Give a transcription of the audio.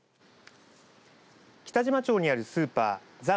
北島町にあるスーパーザ